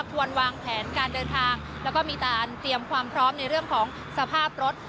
ควรวางแผนการเดินทางแล้วก็มีการเตรียมความพร้อมในเรื่องของสภาพรถ